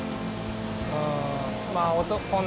うん。